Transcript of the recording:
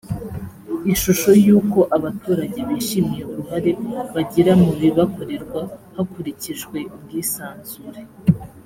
ishusho y’uko abaturage bishimiye uruhare bagira mu bibakorerwa hakurikijwe ubwisanzure